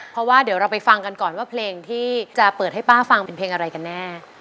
เพราะว่าเดี๋ยวเราไปฟังกันก่อนว่าเพลงที่จะเปิดให้ป้าฟังเป็นเพลงอะไรกันแน่